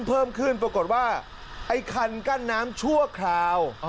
เพิ่มขึ้นปรากฏว่าไอ้คันกั้นน้ำชั่วคราว